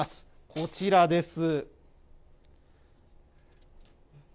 こちらです。